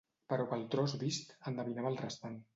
...però pel tros vist endevinava el restant.